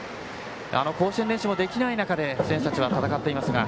甲子園練習もできない中選手たちは戦っていますが。